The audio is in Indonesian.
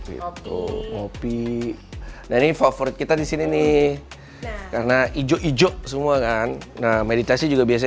itu copy dari favorit kita disini nih karena ijo ijo semua kan nah meditasi juga biasa